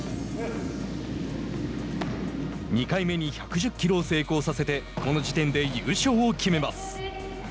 ２回目に１１０キロを成功させてこの時点で優勝を決めます。